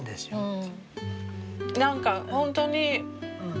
何かホントに。